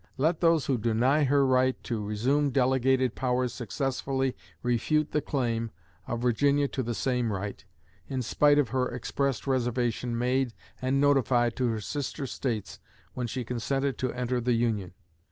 Let those who deny her right to resume delegated powers successfully refute the claim of Virginia to the same right, in spite of her expressed reservation made and notified to her sister States when she consented to enter the Union....